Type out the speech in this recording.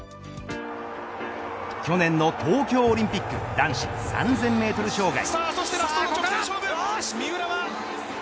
去年の東京オリンピック男子３０００メートル障害。